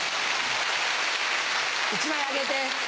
１枚あげて。